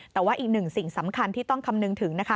แต่ว่าอีกหนึ่งสิ่งสำคัญที่ต้องคำนึงถึงนะคะ